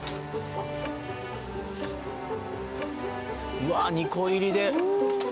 うわあ２個入りで。